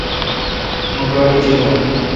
مہ گاڑی چلاو۔